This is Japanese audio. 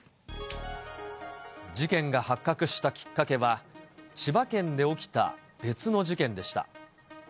事件が発覚したきっかけは、千葉県で起きた別の事件でした。